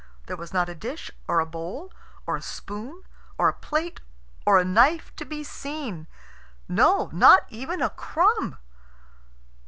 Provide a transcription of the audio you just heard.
There was not a dish or a bowl, or a spoon or a plate, or a knife to be seen; no, not even a crumb.